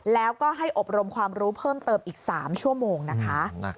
แล้วก็ให้อบรมความรู้เพิ่มเติมอีก๓ชั่วโมงนะคะ